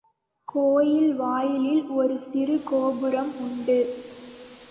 கோயில் வாயிலில் ஒரு சிறு கோபுரம் உண்டு.